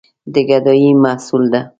د ګدايي محصول ده.